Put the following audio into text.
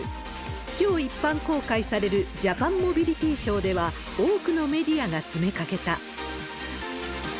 きょう一般公開されるジャパンモビリティショーでは、多くのメディアが詰めかけた。